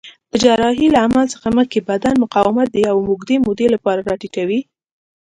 د جراحۍ له عمل څخه مخکې بدن مقاومت د یوې اوږدې مودې لپاره راټیټوي.